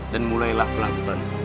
dan mulailah pelajaran